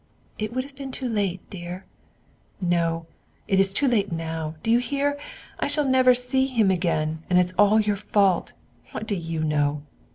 "It would have been too late, dear." "No, it is too late now; do you hear? I shall never see him again, and it is all your fault what do you know?